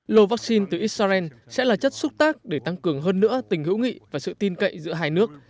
lô vaccine từ israel sẽ là chất xúc tác để tăng cường hơn nữa tình hữu nghị và sự tin cậy giữa hai nước